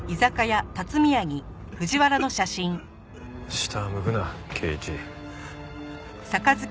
下を向くな圭市。